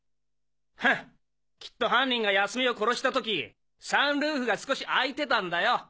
フンきっと犯人が泰美を殺した時サンルーフが少し開いてたんだよ！